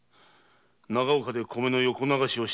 長岡で米の横流しをしていたとはな。